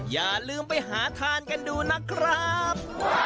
อย่าลืมไปหาทานกันดูนะครับ